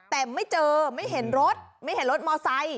แต่ไม่เจอไม่เห็นรถไม่เห็นรถมอไซค